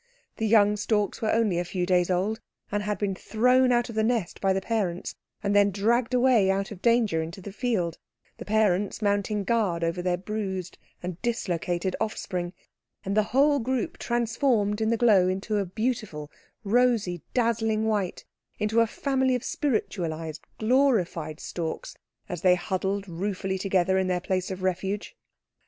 The young storks were only a few days old, and had been thrown out of the nest by the parents, and then dragged away out of danger into the field, the parents mounting guard over their bruised and dislocated offspring, and the whole group transformed in the glow into a beautiful, rosy, dazzling white, into a family of spiritualised, glorified storks, as they huddled ruefully together in their place of refuge.